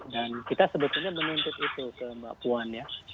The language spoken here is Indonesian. dan kita sebetulnya menuntut itu ke mbak puan ya